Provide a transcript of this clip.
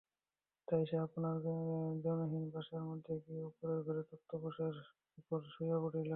তাই সে আপনার জনহীন বাসার মধ্যে গিয়া উপরের ঘরে তক্তপোশের উপর শুইয়া পড়িল।